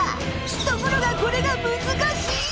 ところがこれがむずかしい！